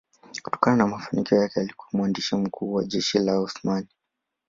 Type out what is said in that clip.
Kutokana na mafanikio yake alikuwa mhandisi mkuu wa jeshi la Osmani.